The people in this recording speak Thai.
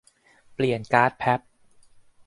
เปลี่ยนการ์ดแพพ